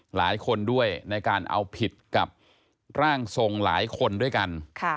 หลายคนด้วยในการเอาผิดกับร่างทรงหลายคนด้วยกัน